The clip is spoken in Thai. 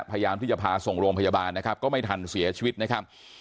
พยายามที่จะพาส่งโรงพยาบาลนะครับก็ไม่ทันเสียชีวิตนะครับ